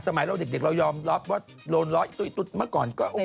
สมัยเราเด็กเรายอมร้อนร้อนตุ๊ดมาก่อนก็โอเค